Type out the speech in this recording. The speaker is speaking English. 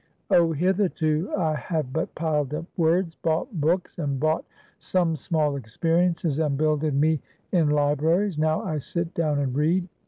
Oh, hitherto I have but piled up words; bought books, and bought some small experiences, and builded me in libraries; now I sit down and read.